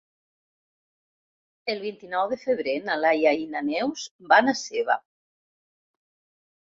El vint-i-nou de febrer na Laia i na Neus van a Seva.